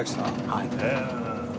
はい。